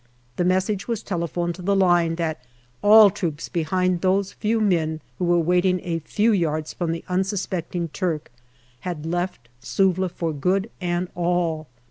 The message was telephoned to the line that all troops behind those few men who were waiting a few yards from the unsuspecting Turk had left Suvla for good and all.